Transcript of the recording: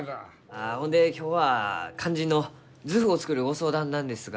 あほんで今日は肝心の図譜を作るご相談なんですが。